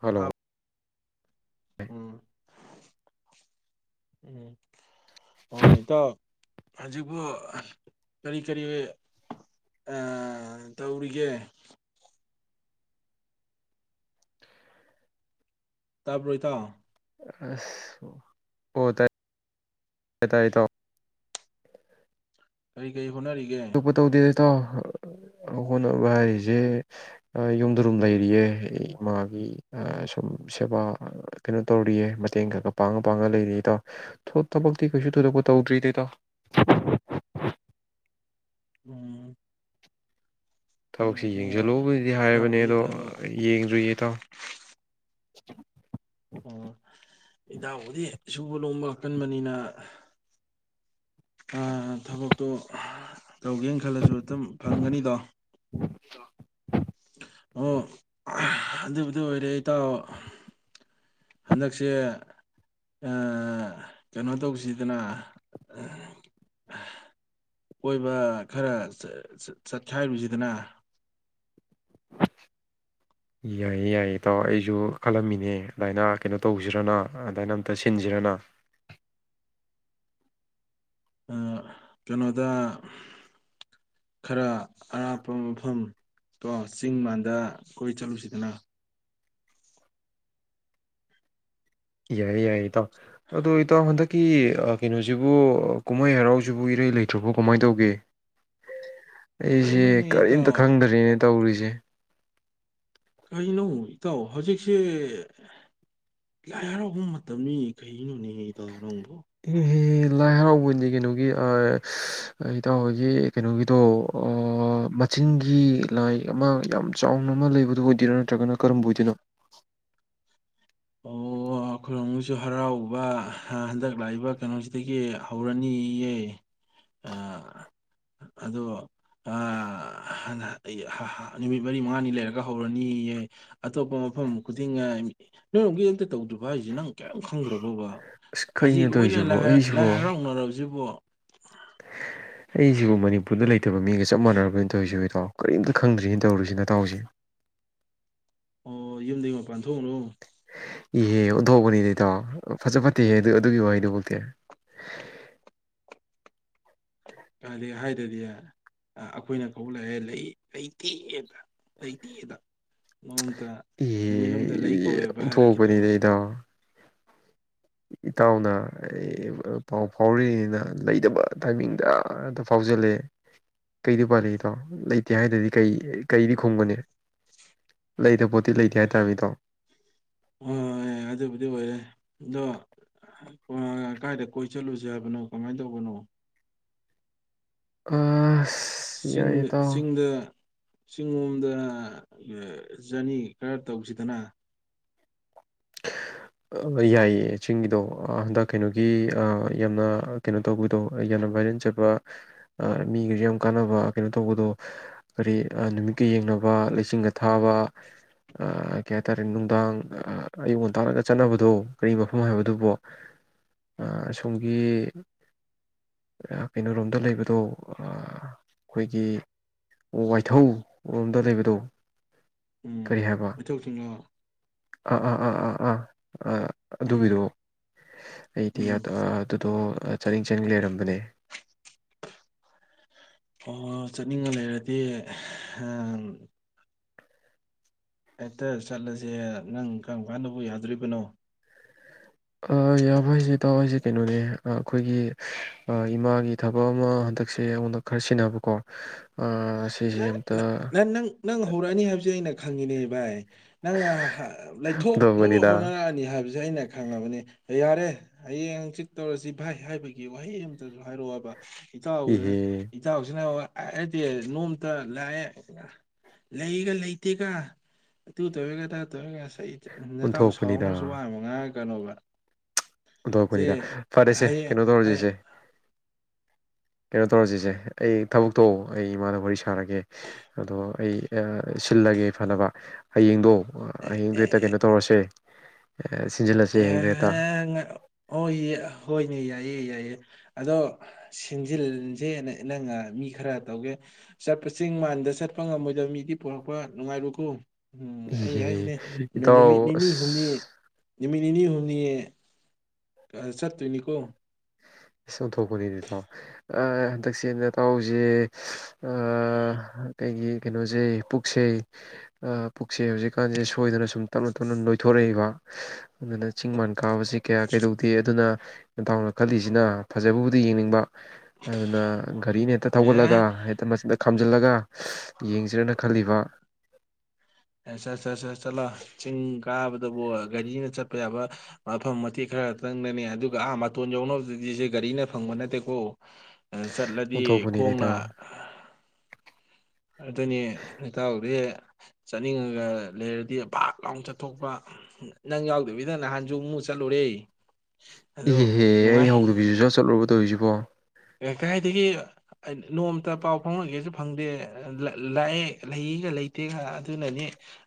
Hello ꯇꯥꯕ ꯎꯝ ꯎꯝ ꯑꯥ ꯏꯇꯥꯎ ꯍꯧꯖꯤꯛꯄꯨ ꯀꯔꯤ ꯀꯔꯤ ꯇꯧꯔꯤꯒꯦ ꯇꯥꯕ꯭ꯔꯣ ꯢꯇꯥꯎ ꯑꯁ ꯍꯣ ꯇꯥꯔꯦ ꯇꯥꯔꯦ ꯢꯇꯥꯎ ꯀꯔꯤ ꯀꯔꯤ ꯍꯣꯠꯅꯔꯤꯒꯦ ꯏꯇꯥꯎ ꯍꯣꯠꯅꯕ ꯍꯥꯏꯖꯦ ꯌꯨꯝꯗ ꯗꯨꯝ ꯂꯩꯔꯤꯌꯦ꯫ ꯏꯃꯥꯒꯤ ꯁꯨꯝ ꯁꯦꯕꯥ ꯀꯩꯅꯣ ꯇꯧꯔꯤꯌꯦ ꯃꯇꯦꯡ ꯈꯔ ꯈꯔ ꯄꯥꯡꯉ ꯄꯥꯡꯉ ꯂꯩꯔꯤꯌꯦ ꯏꯇꯥꯎ꯫ ꯊꯕꯛꯇꯤ ꯀꯩꯁꯨ ꯊꯣꯏꯗꯣꯛꯄ ꯇꯧꯗ꯭ꯔꯤꯗ ꯏꯇꯥꯎ꯫ ꯎꯝ ꯊꯕꯛꯁꯤ ꯑꯗꯨꯕꯨꯗꯤ ꯌꯦꯡꯖꯜꯂꯨꯕꯨꯗꯤ ꯍꯥꯏꯔꯕꯅꯦ ꯏꯇꯥꯎꯕꯨꯗꯤ ꯑꯗꯣ ꯊꯕꯛ ꯌꯦꯡꯗ꯭ꯔꯤꯌꯦ ꯏꯇꯥꯎ [inaudible] ꯑꯣ ꯢꯇꯥꯎꯕꯨꯗꯤ ꯁꯨꯕ ꯅꯣꯝꯕ ꯀꯟꯕꯅꯤꯅ ꯊꯕꯛꯇꯣ ꯇꯧꯒꯦꯅ ꯈꯜꯂꯁꯨ ꯑꯗꯨꯝ ꯐꯪꯒꯅꯤꯗꯣ [inaudible] ꯑꯣ ꯑꯗꯨꯕꯨꯗꯨ ꯑꯣꯏꯔꯦ ꯏꯇꯥꯎ ꯍꯟꯗꯛꯁꯦ ꯀꯩꯅꯣ ꯇꯧꯁꯤꯗꯅ ꯀꯣꯏꯕ ꯈꯔ ꯆꯠꯈꯥꯏꯔꯨꯁꯤꯗꯅ ꯌꯥꯏꯌꯦ ꯌꯥꯏꯌꯦ ꯏꯇꯥꯎꯑꯣ ꯑꯩꯁꯨ ꯈꯜꯂꯝꯃꯤꯅꯦ ꯑꯗꯨꯃꯥꯏꯅ ꯀꯩꯅꯣ ꯇꯧꯁꯤꯔꯅ ꯑꯗꯨꯃꯥꯏꯅ ꯑꯝꯇ ꯁꯤꯟꯁꯤꯔꯅ ꯀꯩꯅꯣꯗ ꯈꯔ ꯑꯔꯥꯞꯄ ꯃꯐꯝ ꯀꯣ ꯆꯤꯡ ꯃꯥꯟꯗ ꯀꯣꯏ ꯆꯠꯂꯨꯁꯤꯗꯅ ꯌꯥꯏꯌꯦ ꯌꯥꯏꯌꯦ ꯏꯇꯥꯎ ꯑꯗꯣ ꯏꯇꯥꯎ ꯍꯟꯗꯛꯀꯤ ꯀꯩꯅꯣꯁꯤꯕꯨ ꯀꯨꯝꯍꯩ ꯍꯔꯥꯎꯁꯤꯕꯨ ꯏꯔꯩ ꯂꯩꯇ꯭ꯔꯕꯣ ꯀꯃꯥꯏꯅ ꯇꯧꯒꯦ ꯑꯩꯁꯦ ꯀꯩꯅꯣꯅꯦ ꯏꯇꯥꯎ ꯀꯔꯤꯝꯇ ꯈꯪꯗꯔꯤꯅꯦ ꯇꯧꯔꯤꯁꯦ [inaudible] ꯀꯩꯅꯣ ꯏꯇꯥꯎ ꯍꯧꯖꯤꯛꯁꯦ ꯂꯥꯏ ꯍꯔꯥꯎꯕ ꯃꯇꯝꯅꯤ ꯀꯅꯣꯅꯦ ꯏꯇꯥꯎ ꯅꯪꯕꯣ ꯑꯦꯍꯦꯍꯦ ꯂꯥꯏ ꯍꯔꯥꯎꯕꯅꯤ ꯀꯩꯅꯣꯒꯤ ꯏꯇꯥꯎꯍꯣꯏꯒꯤ ꯀꯩꯅꯣꯒꯤꯗꯣ ꯃꯆꯤꯟꯒꯤ ꯂꯥꯏ ꯑꯃ ꯌꯥꯝ ꯆꯥꯎꯅ ꯑꯃ ꯂꯩꯕꯗꯨ ꯑꯣꯏꯗꯣꯏꯔꯣ ꯅꯠꯇ꯭ꯔꯒꯅ ꯀꯔꯝꯕ ꯑꯣꯏꯗꯣꯏꯅꯣ ꯑꯣ ꯑꯩꯈꯣꯏꯔꯣꯝꯒꯤꯁꯨ ꯍꯔꯥꯎꯕ ꯍꯟꯗꯛ ꯂꯥꯛꯏꯕ ꯀꯩꯅꯣꯁꯤꯗꯒꯤ ꯍꯧꯔꯅꯤꯌꯦ ꯑꯗꯣ ꯅꯨꯃꯤꯠ ꯃꯔꯤ ꯃꯉꯥꯅꯤ ꯂꯩꯔꯒ ꯍꯧꯔꯅꯤꯌꯦ ꯑꯇꯣꯞꯄ ꯃꯐꯝ ꯈꯨꯗꯤꯡꯅ ꯅꯪ ꯑꯃꯨꯛ ꯑꯝꯛꯇ ꯇꯧꯗꯕ ꯍꯥꯏꯁꯁꯤ ꯅꯪ ꯀꯌꯥꯝ ꯈꯪꯗꯔꯕꯣ ꯑꯗꯨꯒ ꯑꯁ ꯑꯁꯤ ꯀꯩꯅꯣ ꯂꯣꯏꯅ ꯇꯧꯔꯤꯁꯤꯕꯣ ꯂꯥꯏ ꯑꯩꯁꯤꯕꯣ ꯍꯔꯥꯎꯅꯔꯕꯁꯤꯕꯣ ꯑꯩꯁꯤꯕꯨ ꯃꯅꯤꯄꯨꯔꯗ ꯂꯩꯇꯕ ꯃꯤꯒ ꯆꯞ ꯃꯥꯟꯅꯔꯕꯅꯤꯅ ꯇꯧꯔꯤꯁꯤ ꯏꯇꯥꯎ ꯀꯔꯤꯝꯇ ꯈꯪꯗ꯭ꯔꯤꯅ ꯇꯧꯔꯨꯁꯤ ꯅꯇꯥꯎꯁꯦ ꯑꯣ ꯌꯨꯝꯗꯒꯤ ꯃꯄꯥꯟ ꯊꯣꯛꯎꯅꯨ ꯏꯍꯦ ꯑꯣꯟꯊꯣꯛꯄꯅꯤꯗ ꯏꯇꯥꯎ ꯐꯖ ꯐꯠꯇꯦꯍꯦ ꯑꯗꯨ ꯑꯗꯨꯒꯤ ꯋꯥꯍꯩꯗꯨꯃꯛꯇꯤ ꯀꯗꯤ ꯍꯥꯏꯗꯗꯤ ꯑꯩꯈꯣꯏꯅ ꯀꯧꯕ ꯂꯥꯛꯏ ꯂꯩꯇꯦꯗ ꯂꯩꯇꯦꯗ ꯅꯣꯡꯃꯇ ꯅꯨꯃꯤꯠ ꯏꯍꯦ ꯑꯃꯗ ꯂꯩ ꯀꯧꯋꯦꯕ ꯍꯥꯏꯔꯛꯈꯤꯗ꯭ꯔꯕ ꯑꯣꯟꯊꯣꯛꯄꯅꯤꯗ ꯏꯇꯥꯎ ꯏꯇꯥꯎꯅ ꯄꯥꯎ ꯐꯥꯎꯔꯤꯔꯤꯅꯤꯅ ꯂꯩꯇꯕ ꯇꯥꯏꯃꯤꯡꯗ ꯑꯝꯇ ꯐꯥꯎꯖꯜꯂꯦ ꯀꯩꯗꯤ ꯎꯄꯥꯏꯂꯩ ꯏꯇꯥꯎ ꯂꯩꯇꯦ ꯍꯥꯏꯗꯗꯤ ꯀꯩ ꯀꯩꯗꯤ ꯈꯨꯝꯕꯅꯤ ꯂꯩꯇꯕ ꯄꯣ ꯍꯣꯍꯣꯏ ꯑꯗꯨꯕꯨꯗꯤ ꯑꯣꯏꯔꯦ ꯑꯗꯣ ꯀꯥꯏꯗ ꯀꯣꯏ ꯆꯠꯂꯨꯁꯦ ꯍꯥꯏꯕꯅꯣ ꯀꯃꯥꯏꯅ ꯇꯧꯕꯅꯣ ꯑ ꯆꯤꯡꯗ ꯆꯤꯡꯗ ꯆꯤꯡꯂꯣꯝꯗ ꯖꯔꯅꯤ ꯈꯔ ꯇꯧꯁꯤꯗꯅ ꯌꯥꯏꯌꯦꯦ ꯆꯤꯡꯒꯤꯗꯣ ꯍꯟꯗꯛ ꯀꯩꯅꯣꯒꯤ ꯌꯥꯝꯅ ꯀꯩꯅꯣ ꯇꯧꯕꯗꯣ ꯌꯥꯝꯅ ꯚꯥꯏꯔꯦꯟꯆꯠꯕ ꯃꯤꯒꯁꯨ ꯌꯥꯝ ꯀꯥꯟꯅꯕ ꯀꯩꯅꯣ ꯇꯧꯕꯗꯣ ꯀꯔꯤ ꯅꯨꯃꯤꯠꯀ ꯌꯦꯡꯅꯕ ꯂꯩꯆꯤꯟꯒ ꯊꯥꯕ ꯀꯩ ꯍꯥꯏꯇꯥꯥꯔꯦ ꯅꯨꯡꯗꯥꯡ ꯑꯌꯨꯛꯉꯟ ꯇꯥꯒ ꯆꯠꯅꯕꯗꯣ ꯀꯔꯤ ꯃꯐꯝ ꯍꯥꯏꯕꯗꯨꯕꯣ ꯑꯁꯣꯝꯒꯤ ꯀꯩꯅꯣꯔꯣꯝꯗ ꯂꯩꯕꯗꯣ ꯑꯩꯈꯣꯏꯒꯤ ꯋꯥꯏꯊꯧꯔꯣꯝꯗ ꯂꯩꯕꯗꯣ ꯎꯝ ꯃꯊꯧꯁꯤꯡꯉꯣ ꯎꯝ ꯎꯝ ꯎꯝ ꯎꯝ ꯎꯝ ꯑꯥ ꯑꯗꯨꯒꯤꯗꯣ ꯑꯩꯗꯤ ꯎꯝ ꯑꯗꯨꯗꯣ ꯆꯥꯅꯤꯡ ꯆꯥꯅꯤꯡ ꯂꯩꯔꯝꯕꯅꯦ ꯑꯣ ꯆꯠꯅꯤꯡꯉ ꯂꯩꯔꯗꯤ ꯍꯦꯛꯇ ꯆꯠꯂꯁꯦ ꯅꯪ ꯀꯔꯝ ꯀꯥꯟꯗꯕꯨ ꯌꯥꯗꯣꯔꯤꯕꯅꯣ ꯌꯥꯕ ꯍꯥꯏꯁꯦ ꯏꯇꯥꯎ ꯀꯩꯅꯣꯅꯦ ꯑꯩꯈꯣꯏꯒꯤ ꯏꯃꯥꯒꯤ ꯊꯕꯛ ꯑꯃ ꯍꯟꯗꯛꯁꯦ ꯑꯩꯉꯣꯟꯗ ꯈꯔ ꯁꯤꯟꯅꯕꯀꯣ ꯁꯤꯁꯦ ꯅ ꯑꯝꯇ ꯅ ꯅꯪ ꯅꯪ ꯍꯧꯔꯛꯑꯅꯤ ꯍꯥꯏꯕꯁꯦ ꯑꯩꯅ ꯈꯪꯉꯤꯅꯦꯕꯥꯏ ꯅꯪꯅ ꯂꯩꯊꯣꯛꯅꯕ ꯇꯧꯕꯅꯤꯗ ꯍꯣꯠꯅꯔꯛꯑꯅꯤ ꯍꯥꯏꯕꯁꯦ ꯑꯩꯅ ꯑꯩ ꯈꯪꯉꯕꯅꯤ ꯌꯥꯔꯦ ꯍꯌꯦꯡ ꯍꯪꯆꯤꯠ ꯇꯧꯔꯁꯤ ꯚꯥꯏ ꯍꯥꯏꯕꯒꯤ ꯋꯥꯍꯩ ꯑꯃꯝꯇꯁꯨ ꯍꯥꯏꯔꯛꯑꯣꯕ ꯏꯇꯥꯎ ꯏꯍꯦ ꯏꯇꯥꯎꯖꯤꯅꯕ ꯗꯤ ꯅꯣꯡ ꯑ ꯂꯥꯛꯑꯦ ꯂꯩꯒ ꯂꯩꯇꯦꯒ ꯑꯗꯨ ꯇꯧꯔꯦꯑꯗꯥ ꯇꯧꯔꯦꯒ ꯅꯇꯥꯎ ꯑꯣꯟꯊꯣꯛꯄꯅꯤꯗ ꯁꯥꯎꯔꯛꯅꯕꯁꯨ ꯋꯥ ꯑꯃ ꯉꯥꯏꯔ ꯀꯅꯕ ꯊꯣꯛꯣꯛꯛꯄꯅꯤꯗ ꯐꯔꯦꯁꯦ ꯀꯩꯅꯣ ꯑꯩ- ꯇꯧꯔꯁꯤꯁꯦ ꯀꯩꯅꯣ ꯇꯧꯔꯁꯤꯁꯦ ꯑꯩ ꯊꯕꯛ ꯊꯣꯛꯣꯑꯣ ꯑꯩ ꯏꯃꯥꯅ ꯋꯥꯔꯤ ꯁꯦ ꯊꯥꯔꯒꯦ ꯑꯗꯣ ꯑꯩ ꯁꯤꯜꯂꯒꯦ ꯐꯅꯕ ꯍꯌꯦꯡꯗꯣ ꯑꯣ ꯑꯍꯤꯡꯗꯨ ꯍꯦꯛꯇ ꯀꯩꯅꯣ ꯇꯧꯔꯁꯦ ꯑ ꯁꯤꯟꯖꯤꯜꯂꯁꯦ ꯍꯌꯦꯡꯗꯣ ꯍꯦꯛꯇ ꯍ ꯑꯣꯏ ꯍꯣꯏꯅꯦ ꯌꯥꯏꯌꯦ ꯌꯥꯏꯌꯦ ꯑꯗꯣ ꯁꯤꯟꯖꯤꯟꯁꯦꯅ ꯅꯪ ꯃꯤ ꯈꯔ ꯇꯧꯒꯦ ꯆꯠꯄ ꯆꯤꯡ ꯃꯥꯟꯗ ꯆꯠꯄ ꯉꯝꯃꯣꯏꯗꯕ ꯃꯤꯗꯤ ꯄꯔꯛꯄ ꯅꯨꯡꯉꯥꯏꯔꯨꯀꯣ ꯎꯝ ꯑꯩ ꯏꯍꯦ ꯍꯥꯏꯁꯤꯅꯦ ꯏꯇꯥꯎ ꯅꯨꯃꯤꯠ ꯅꯤꯅꯤ ꯍꯨꯝꯅꯤ ꯅꯤꯅꯤ ꯍꯨꯝꯅꯤ ꯆꯠ ꯇꫭꯏꯅꯤꯀꯣ ꯑꫭꯟꯊꯣꯛꯄꯅꯤꯅꯦ ꯇꯥꯎ ꯍꯟꯗꯛꯁꯦ ꯅꯇꯥꯎꯁꯦ ꯑꯩꯩꯒꯤ ꯀꯩꯅꯣꯁꯦ ꯄꯨꯛꯁꯩ ꯄꯨꯛꯁꯩ ꯍꯧꯖꯤꯛꯀꯥꯟꯁꯦ ꯁꯣꯏꯗꯅ ꯁꯨꯝ ꯇꯞꯅ ꯇꯞꯅ ꯅꯣꯏꯊꯣꯔꯛꯏꯕ ꯑꯗꯨꯅ ꯆꯤꯡ ꯃꯥꯟ ꯀꯥꯕꯁꯤ ꯀꯌꯥ ꯀꯩꯗꯧꯗꯦ ꯑꯗꯨꯅ ꯅꯇꯥꯎꯅ ꯈꯜꯂꯤꯁꯤ ꯁꯤꯅ ꯐꯖꯕꯕꯨꯗꯤ ꯌꯦꯡꯅꯤꯡꯕ ꯑꯗꯨꯅ ꯒꯥꯔꯤꯅ ꯍꯦꯛꯇ ꯊꯧꯒꯠꯂꯒ ꯍꯦꯛꯇ ꯃꯗ ꯊꯝꯖꯤꯜꯂꯒ ꯌꯦꯡꯁꯤꯔꯅ ꯈꯜꯂꯤꯕ ꯑꯦ ꯆꯠ ꯆꯠ ꯆꯠ ꯆꯠꯂꯣ ꯆꯤꯡ ꯀꯥꯕꯗꯕꯨ ꯒꯥꯔꯤꯅ ꯆꯠꯄ ꯌꯥꯕ ꯃꯐꯝ ꯃꯇꯦꯛ ꯈꯔꯇꯪꯅꯅꯦ ꯑꯗꯨꯒ ꯑꯥ ꯃꯇꯣꯟ ꯌꯧꯅꯕꯗꯗꯤꯁꯦ ꯒꯥꯔꯤꯅ ꯐꯪꯕ ꯅꯠꯇꯦꯀꯣ ꯆꯠꯂꯗꯤ ꯑꯣꯟꯊꯣꯛꯄꯅꯤꯅꯦ ꯈꯣꯡꯅ ꯏꯇꯥꯎ ꯑꯗꯨꯅꯤ ꯍꯇꯥꯎꯗꯤ ꯆꯠꯅꯤꯡꯉꯒ ꯂꯩꯔꯗꯤ ꯄꯥꯛ ꯂꯥꯎꯅ ꯆꯠꯊꯣꯛꯄ ꯅꯪ ꯌꯥꯎꯗꯕꯤꯗꯪ ꯅꯍꯥꯟꯁꯨ ꯑꯃꯨꯛ ꯆꯠꯂꯨꯔꯦ ꯑꯗꯣ ꯏꯍꯦꯍꯦꯍꯦ ꯑꯩ ꯅꯨꯡꯉꯥꯏ ꯌꯥꯎꯕꯤꯁꯨ ꯆꯠ ꯆꯠꯂꯨꯔ ꯍꯥꯏꯔꯤꯁꯤ [unintelligible] ꯀꯗꯥꯥꯏꯗꯒꯤ ꯅꯣꯡꯃꯇ ꯄꯥꯎ ꯐꯪꯍꯟꯒꯦꯁꯨ ꯐꯪꯗꯦ ꯂꯥꯛꯑꯦ ꯂꯩꯒ ꯂꯩꯇꯦꯒ ꯑꯗꯨꯅꯅꯤ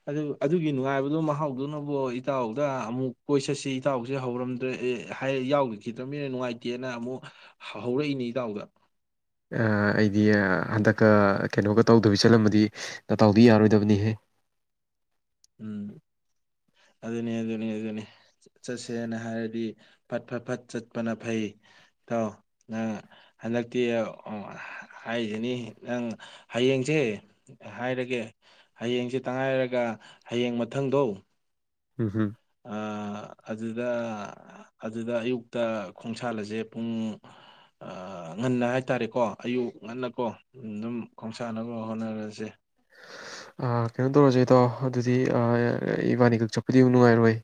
ꯑꯗꯨ ꯑꯗꯨꯒꯤ ꯅꯨꯡꯉꯥꯏꯕꯗꯨꯣ ꯃꯍꯥꯎꯗꯨꯅꯕꯨ ꯏꯇꯥꯎꯗ ꯑꯃꯨꯛ ꯀꯣꯏ ꯆꯠꯁꯤ ꯏꯇꯥꯎꯁꯦ ꯍꯧꯔꯝꯗ꯭ꯔꯦ ꯌꯥꯎꯈꯤꯈꯤꯗ꯭ꯔꯕꯅꯤꯅ ꯅꯨꯡꯉꯥꯏꯇꯦꯅ ꯑꯃꯨꯛ ꯍꯧꯔꯛꯏꯅꯦ ꯏꯇꯥꯎꯗ ꯑꯩꯗꯤ ꯍꯟꯗꯛꯀ ꯀꯩꯅꯣꯒ ꯇꯧꯗꯕꯤ ꯆꯠꯂꯝꯃꯗꯤ ꯇꯥꯎꯗꯤ ꯌꯥꯔꯣꯏꯗꯕꯅꯤꯍꯦ ꯎꯝ ꯑꯗꯨꯅꯤ ꯑꯗꯨꯅꯤ ꯑꯗꯨꯅꯤ ꯆꯠꯁꯦꯅ ꯍꯥꯏꯔꯗꯤ ꯐꯠ ꯐꯠ ꯐꯠ ꯆꯠꯄꯅ ꯐꯩ ꯇꯥꯎ ꯅꯪ ꯍꯟꯗꯛꯇꯤ ꯍꯥꯏꯁꯤꯅꯤ ꯅꯪ ꯍꯌꯦꯡꯁꯦ ꯍꯥꯏꯔꯒꯦ ꯍꯌꯦꯡꯁꯦ ꯇꯉꯥꯏꯔꯒ ꯍꯌꯦꯡ ꯃꯊꯪꯗꯣ ꯍꯝ ꯍꯝ ꯑꯗꯨꯗ ꯑꯗꯨꯗ ꯑꯌꯨꯛꯇ ꯈꯣꯡꯁꯥꯜꯂꯁꯦ ꯄꯨꯡ ꯉꯟꯅ ꯍꯥꯏꯇꯥꯔꯦꯀꯣ ꯑꯌꯨꯛ ꯉꯟꯅꯀꯣ ꯑꯗꯨꯝ ꯈꯣꯡꯁꯥꯟꯅꯕ ꯍꯣꯠꯅꯔꯁꯦ ꯀꯩꯅꯣ ꯇꯧꯔꯁꯦꯗꯣ ꯑꯗꯨꯗꯤ ꯏꯕꯥꯅꯤꯒꯛ ꯆꯠꯄꯗꯤ ꯅꯨꯡꯉꯥꯏꯔꯣꯏ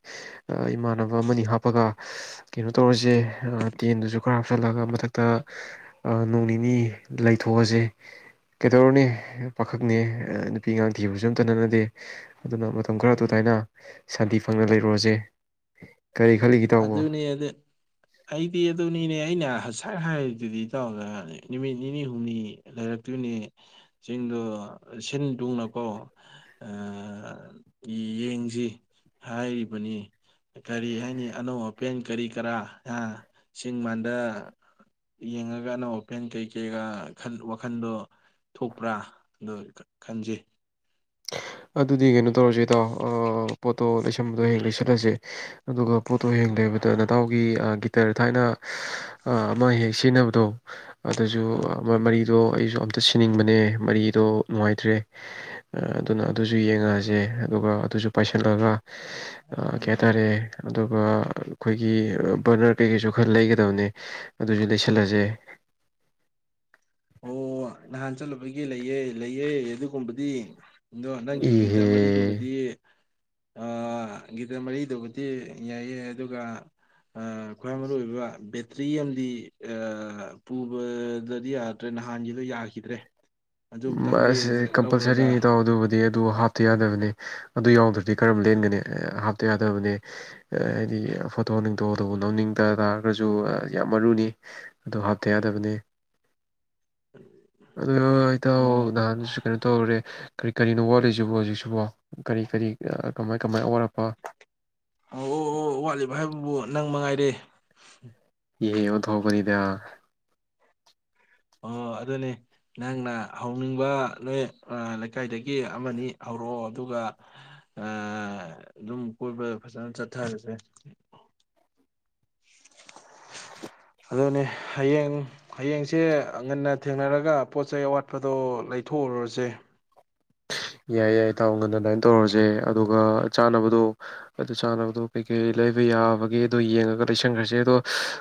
ꯏꯃꯥꯟꯅꯕ ꯑꯃꯅꯤ ꯍꯥꯞꯄꯒ ꯀꯩꯅꯣ ꯇꯧꯔꯁꯦ ꯇꯦꯟꯗꯨꯁꯨ ꯈꯔ ꯍꯥꯞꯆꯤꯜꯂꯒ ꯃꯊꯛꯇ ꯅꯣꯡ ꯅꯤꯅꯤ ꯂꯩꯊꯣꯛꯑꯁꯦ ꯀꯩꯗꯧꯔꯅꯦ ꯄꯥꯈ ꯅꯦ ꯅꯨꯄꯤ ꯑꯉꯥꯡ ꯊꯤꯕꯁꯨ ꯑꯝꯇꯅꯅꯗꯦ ꯑꯗꯨꯅ ꯃꯇꯝ ꯈꯔ ꯑꯗꯨ ꯎꯝ ꯇꯥꯏꯅ ꯁꯥꯟꯇꯤ ꯐꯪꯅ ꯂꯩꯔꯨꯔꯁꯦ ꯀꯔꯤ ꯈꯜꯂꯤꯒꯦ ꯏꯇꯥꯎꯕꯣ ꯑꯗꯨꯅꯦ ꯑ ꯑꯗꯨ ꯑꯩꯗꯤ ꯑꯗꯨꯅꯤꯅꯦ ꯑꯅ ꯉꯁꯥꯏ ꯍꯥꯏꯔꯤꯗꯨꯗꯤ ꯇꯧꯔꯒ ꯅꯨꯃꯤꯠ ꯅꯤꯅꯤ ꯍꯨꯝꯅꯤ ꯂꯩꯔꯛꯇꯣꯏꯅꯦ ꯆꯤꯡꯗꯣ ꯁꯤꯟ ꯊꯨꯡꯅꯀꯣ ꯌꯦꯡꯁꯤ ꯍꯥꯏꯔꯤꯕꯅꯤ ꯀꯔꯤ ꯍꯥꯏꯅꯤ ꯑꯅꯧ ꯑꯄꯦꯟ ꯀꯔꯤ ꯀꯔꯥ ꯆꯤꯡ ꯃꯥꯟꯗ ꯌꯦꯡꯉꯒ ꯑꯅꯧ ꯑꯄꯦꯟ ꯀꯩ ꯀꯩꯒ ꯋꯥꯈꯟꯗꯣ ꯊꯣꯛꯄ꯭ꯔꯥ ꯑ ꯈꯟꯖꯩ ꯑꯗꯨꯗꯤ ꯀꯩꯅꯣ ꯇꯧꯔꯁꯦ ꯣꯠꯇꯣ ꯁꯕꯗꯣ ꯍꯌꯦꯡ ꯂꯩꯁꯜꯂꯁꯦ ꯑꯗꯨꯒ ꯄꯣꯠꯇꯣ ꯍꯌꯦꯡ ꯂꯩꯕꯗ ꯅꯇꯎꯒꯤ ꯒꯤꯇꯔ ꯊꯥꯏꯅ ꯑꯃ ꯍꯦꯛ ꯁꯤꯖꯤꯟꯅꯕꯗꯣ ꯑꯗꯨꯁꯨ ꯑꯪ ꯃꯔꯤꯗꯣ ꯑꯩꯁꯨ ꯑꯝꯇ ꯁꯤꯅꯤꯡꯕꯅꯦ ꯃꯔꯤꯗꯣ ꯅꯨꯡꯉꯥꯏꯇ꯭ꯔꯦ ꯑꯗꯨꯅ ꯑꯗꯨꯁꯨ ꯌꯦꯡꯉꯛꯑꯁꯦ ꯑꯗꯨꯒ ꯑꯗꯨꯁꯨ ꯄꯥꯏꯁꯤꯜꯂꯒ ꯑ ꯎꯝ ꯀꯦꯇꯥꯔꯦ ꯑꯗꯨꯒ ꯑꯩꯈꯣꯏꯒꯤ ꯕꯔꯅꯔ ꯀꯩꯀꯩꯁꯨ ꯈꯔ ꯂꯩꯒꯗꯕꯅꯦ ꯑꯗꯨꯁꯨ ꯂꯩꯁꯜꯂꯁꯦ ꯑꯣ ꯅꯍꯥꯟ ꯆꯠꯂꯨꯕꯒꯤ ꯂꯩꯑꯦ ꯂꯩꯌꯦꯦ ꯑꯗꯨꯒꯨꯝꯕꯗꯤ ꯑꯗꯣ ꯅꯪꯒꯤ ꯒꯤꯇ ꯏꯍꯦ ꯃꯔꯤꯗꯨꯕꯨꯗꯤ ꯒꯤꯇꯔ ꯃꯔꯤꯗꯨꯕꯨꯗꯤ ꯌꯥꯏꯑ ꯑꯗꯨꯒ ꯈ꯭ꯋꯥꯏ ꯃꯔꯨ ꯑꯣꯏꯕ ꯕꯦꯇ꯭ꯔꯤ ꯑꯃꯗꯤ ꯄꯨꯕꯗꯗꯤ ꯌꯥ ꯅꯠꯇ꯭ꯔꯦ ꯅꯍꯥꯟꯒꯤꯗꯣ ꯌꯥꯈꯤꯗ꯭ꯔꯦ ꯑꯗꯨ ꯑꯃꯨꯛꯇꯪꯗꯤ ꯁ ꯂꯧꯔꯒ ꯀꯝꯄꯜꯁꯔꯤꯅꯤ ꯇꯧ ꯑꯗꯨꯕꯨꯗꯤ ꯑꯗꯨ ꯍꯥꯞꯇ ꯌꯥꯗꯕꯅꯦ ꯑꯗꯨ ꯌꯥꯎꯗ꯭ꯔꯗꯤ ꯀꯔꯝ ꯂꯦꯟꯒꯅꯤ ꯍꯥꯞꯇ ꯌꯥꯗꯕꯅꯦ ꯍꯥꯏꯗꯤ ꯐꯣꯇꯣ ꯅꯤꯡꯇꯣꯇꯧꯕ ꯅ ꯂꯧꯅꯤꯡꯗ ꯇꯥꯔꯒꯁꯨ ꯌꯥꯝ ꯃꯔꯨꯅꯤ ꯑꯗꯨ ꯍꯥꯞꯇ ꯌꯥꯗꯕꯅꯦ ꯑ ꯑꯧ ꯑꯣ ꯅꯍꯥꯟꯁꯨ ꯀꯩꯅꯣ ꯇꯧꯔꯨꯔꯦ ꯀꯔꯤ ꯀꯔꯤꯅꯣ ꯋꯥꯠꯂꯤꯁꯤꯕꯣ ꯍꯧꯖꯤꯛꯁꯤꯕꯣ ꯀꯔꯤ ꯀꯔꯤ ꯀꯃꯥꯏ ꯀꯃꯥꯏ ꯑꯋꯥꯠꯄ ꯑꯣ ꯑꯣ ꯑꯣ ꯋꯥꯠꯂꯤꯕ ꯍꯥꯏꯕꯕꯨ ꯅꯪ ꯃꯉꯥꯏꯔꯦ ꯌꯦꯍ ꯑꯣꯗꯧꯕꯔꯤꯗ ꯑꯣ ꯑꯗꯨꯅꯦ ꯅꯪꯅ ꯍꯧꯅꯤꯡꯕ ꯅꯣꯏ ꯂꯩꯀꯥꯏꯗꯒꯤ ꯑꯃꯅꯤ ꯍꯧꯔꯛꯑꯣ ꯑꯗꯨꯒ ꯑꯗꯨꯝ ꯀꯣꯏꯕ ꯐꯖꯅ ꯆꯠꯊꯔꯁꯦ ꯑꯗꯨꯅꯦ ꯍꯌꯦꯡ ꯍꯌꯦꯡꯁꯦ ꯉꯟꯅ ꯊꯦꯡꯅꯔꯒ ꯄꯣꯠ ꯆꯩꯩ ꯑꯋꯥꯠꯄꯗꯣ ꯂꯩꯊꯣꯛꯎꯔꯨꯔꯁꯦ ꯌꯥꯏ ꯌꯥꯏ ꯊꯥꯎ ꯉꯟ ꯑꯗꯨꯃꯥꯏꯅ ꯇꯧꯔꯁꯦ ꯑꯗꯨꯒ ꯆꯥꯅꯕꯗꯣ ꯑꯗꯨ ꯆꯥꯅꯕꯗꯣ ꯀꯩꯀꯩ ꯂꯩꯕ ꯌꯥꯕꯒꯦ ꯑꯗꯣ ꯌꯦꯡꯉꯒ ꯂꯩꯁꯟꯈ꯭ꯔꯁꯦ ꯑꯗꯣ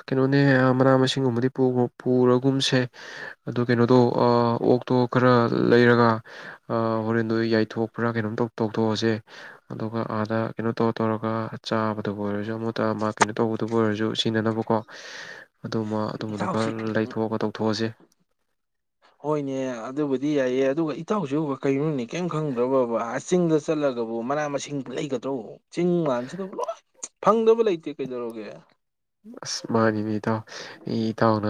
ꯀꯩꯅꯣꯅꯦ ꯃꯅꯥ ꯃꯁꯤꯡꯒꯨꯝꯕꯗꯤ ꯄꯨꯔꯒꯨꯝꯁꯦ ꯑꯗꯨ ꯀꯩꯅꯣꯗꯣ ꯑꯣꯛꯇꯣ ꯈꯔ ꯂꯩꯔꯒ ꯍꯣꯔꯦꯟꯗꯣ ꯌꯥꯏꯊꯣꯛꯄ꯭ꯔꯥ ꯀꯩꯅꯣꯝ ꯇꯧꯊꯣꯛꯑꯁꯦ ꯑꯗꯨꯒ ꯑꯥꯗ ꯀꯩꯅꯣ ꯇꯧꯔ ꯇꯧꯔꯒ ꯆꯥꯕꯗꯕꯨ ꯑꯣꯏꯔꯁꯨ ꯑꯃꯨꯠꯇ ꯃꯥ ꯀꯩꯅꯣ ꯇꯧꯕꯗꯨꯕꯨ ꯑꯣꯏꯔꯁꯨ ꯁꯤꯖꯤꯟꯅꯅꯕꯀꯣ ꯑꯗꯨꯃ ꯑꯗꯨꯝꯕꯗꯣ ꯈꯔ ꯏꯟꯁꯥꯎꯁꯤ ꯂꯩꯊꯣꯛꯑꯒ ꯇꯧꯊꯣꯛꯑꯁꯦ ꯍꯣꯏꯅꯦ ꯑꯗꯨꯕꯨꯗꯤ ꯌꯥꯏꯑ ꯑꯗꯨꯒ ꯏꯇꯥꯎꯁꯤ ꯀꯩꯅꯣꯅꯤ ꯀꯔꯤꯝ ꯈꯪꯗ꯭ꯔꯕꯕꯕꯥ ꯑꯁ ꯆꯤꯡꯗ ꯆꯠꯂꯒꯕꯨ ꯃꯅꯥ ꯃꯁꯤꯡ ꯂꯩꯒꯗ꯭ꯔꯣ ꯆꯤꯡ ꯃꯥꯟꯁꯤꯗꯕꯨ ꯂꯣꯏ ꯐꯪꯗꯕ ꯂꯩꯇꯦ ꯀꯩꯗꯧꯔꯒꯦ ꯑꯁ ꯃꯥꯅꯦꯅꯦ ꯏꯇꯥꯎ ꯑꯩ ꯏꯇꯥꯎꯅ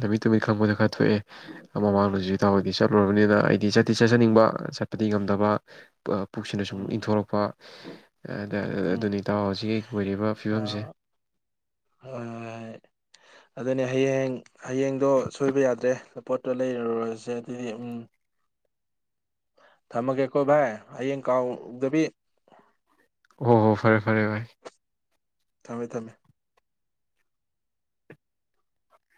ꯂꯝꯃꯤꯠ ꯇꯨꯃꯤꯠ ꯈꯪꯕꯗ ꯈꯔ ꯊꯣꯛꯑꯦ ꯃꯃꯥꯡꯗꯁꯨ ꯏꯇꯥꯎꯗꯤ ꯆꯠꯂꯨꯔꯕꯅꯤꯅ ꯑꯩꯗꯤ ꯆꯠꯇꯤ ꯆꯠꯆꯅꯤꯡꯕ ꯆꯠꯄꯗꯤ ꯉꯝꯗꯕ ꯄꯨꯛꯁꯤꯅ ꯁꯨꯝ ꯎꯝ ꯏꯪꯊꯣꯔꯛꯄ ꯎꯝ ꯑꯗꯨꯅꯤ ꯏꯇꯣ ꯍꯧꯁꯤꯛ ꯑꯩ ꯑꯣꯏꯣꯏꯔꯤꯕ ꯐꯤꯕꯝꯁꯦ ꯍꯣꯏꯣꯏ ꯑꯗꯨꯅꯦ ꯍꯌꯦꯡ ꯍꯌꯦꯡꯗꯣ ꯁꯣꯏꯕ ꯌꯥꯗ꯭ꯔꯦ ꯄꯣꯠꯇꯣ ꯂꯩꯔꯨꯔꯁꯦ ꯑꯗꯨꯗꯤ ꯎꯝ ꯊꯝꯃꯒꯦꯀꯣ ꯕꯥꯏ ꯑꯩꯌꯦꯡ ꯀꯥꯎꯗꯕꯤ ꯑꯣ ꯍꯣ ꯐꯔꯦ ꯐꯔꯦ ꯚꯥꯏ ꯊꯝꯃꯦ ꯊꯝꯃꯦ